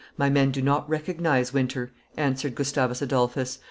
"My men do not recognize winter," answered Gustavus Adolphus.